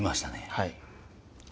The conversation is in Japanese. はい。